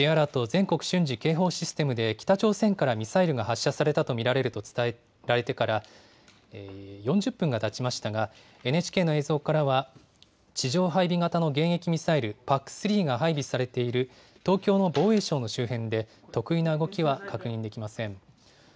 ・全国瞬時警報システムで北朝鮮からミサイルが発射されたと見られると伝えられてから４０分がたちましたが、ＮＨＫの映像からは地上配備型の迎撃ミサイル・ＰＡＣ３が配備されている東京の防衛省の周辺で、特異な動きは確認できません。